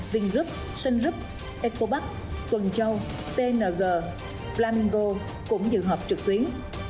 vingroup sunroof ecopark tuần châu tng flamingo cũng dự họp trực tuyến